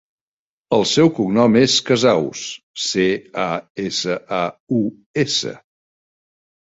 El seu cognom és Casaus: ce, a, essa, a, u, essa.